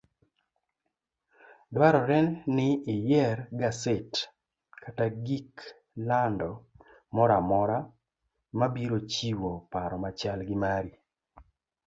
Dwarore ni iyier gaset kata gik lando moramora mabiro chiwo paro machal gi mari.